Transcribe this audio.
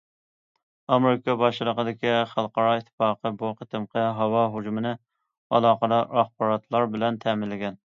ئامېرىكا باشچىلىقىدىكى خەلقئارا ئىتتىپاق بۇ قېتىمقى ھاۋا ھۇجۇمنى ئالاقىدار ئاخباراتلار بىلەن تەمىنلىگەن.